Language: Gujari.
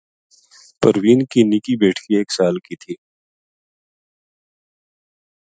پروین کی نِکی بیٹکی ایک سال کی تھی